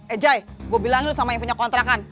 eh jai gua bilangin sama yang punya kontrakan